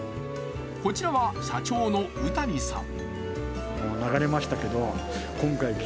こちらは社長の宇谷さん。